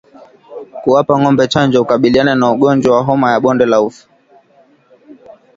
Kuwapa ngombe chanjo hukabiliana na ugonjwa wa homa ya bonde la ufa